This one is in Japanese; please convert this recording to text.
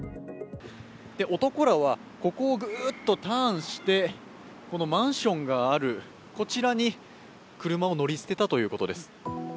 男らはここをぐっとターンして、マンションがあるこちらに車を乗り捨てたということです。